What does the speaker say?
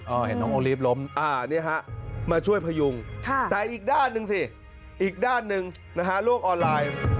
เห็นน้องโอลีฟล้มอ่านี่ฮะมาช่วยพยุงแต่อีกด้านหนึ่งสิอีกด้านหนึ่งนะฮะโลกออนไลน์